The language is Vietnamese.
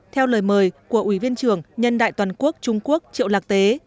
theo lời mời của ủy viên trưởng nhân đại toàn quốc trung quốc triệu lạc tế